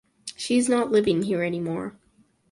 She’s not living here anymore.